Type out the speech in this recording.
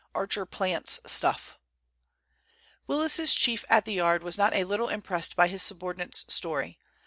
"ARCHER PLANTS STUFF" Willis's chief at the Yard was not a little impressed by his subordinate's story.